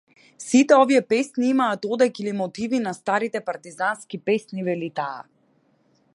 Сите овие песни имаат одек или мотиви од старите партизански песни, вели таа.